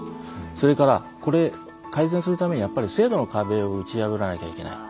それからこれ改善するためにはやっぱり制度の壁を打ち破らなきゃいけない。